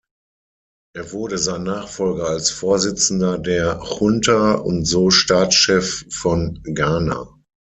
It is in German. Er wurde sein Nachfolger als Vorsitzender der Junta und so Staatschef von Ghana.